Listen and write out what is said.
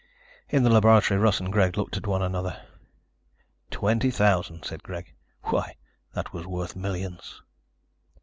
In the laboratory Russ and Greg looked at one another. "Twenty thousand," said Greg. "Why, that was worth millions."